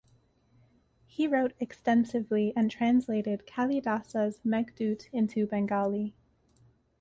He wrote extensively and translated Kalidasa's Meghdoot into Bengali.